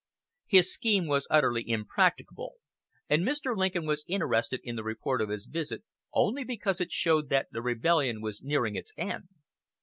His scheme was utterly impracticable, and Mr. Lincoln was interested in the report of his visit only because it showed that the rebellion was nearing its end.